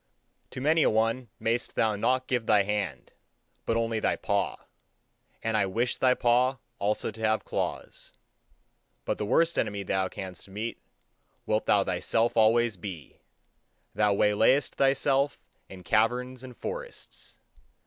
To many a one mayest thou not give thy hand, but only thy paw; and I wish thy paw also to have claws. But the worst enemy thou canst meet, wilt thou thyself always be; thou waylayest thyself in caverns and forests.